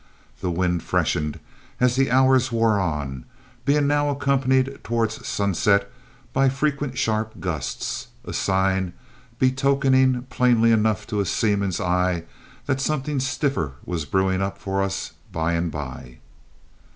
The wind freshened as the hours wore on, being now accompanied towards sunset by frequent sharp gusts, a sign betokening plainly enough to a seaman's eye that something stiffer was brewing up for us by and by.